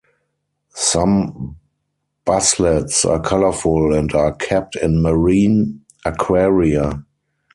Some basslets are colorful and are kept in marine aquaria.